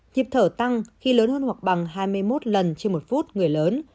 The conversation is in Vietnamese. nhịp thở tăng khi lớn hơn hoặc bằng hai mươi một lần trên một phút người lớn